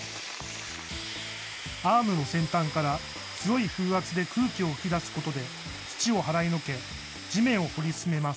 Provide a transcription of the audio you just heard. アームの先端から強い風圧で空気を吹き出すことで土を払いのけ、地面を掘り進めます。